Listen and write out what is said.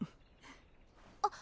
あっ